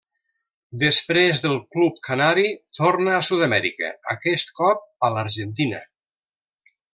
Després del club canari, torna a Sud-amèrica, aquest cop a l'Argentina.